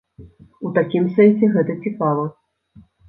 У такім сэнсе гэта цікава.